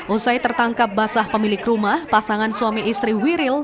usai tertangkap basah pemilik rumah pasangan suami istri wiril